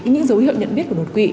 những dấu hiệu nhận biết của đột quỵ